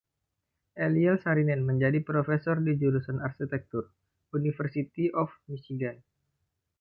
Eliel Saarinen menjadi profesor di Jurusan Arsitektur, University of Michigan.